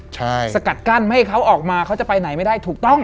ใช่สกัดกั้นไม่ให้เขาออกมาเขาจะไปไหนไม่ได้ถูกต้อง